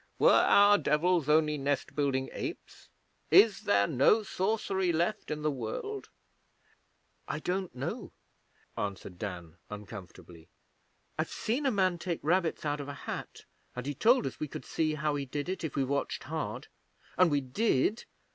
Were our Devils only nest building apes? Is there no sorcery left in the world?' 'I don't know,' answered Dan, uncomfortably. 'I've seen a man take rabbits out of a hat, and he told us we could see how he did it, if we watched hard. And we did.'